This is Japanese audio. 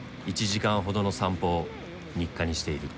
１時間ほどの散歩を日課にしている。